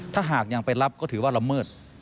ถ้าหากยังไปรับก็ถือว่าละเมิด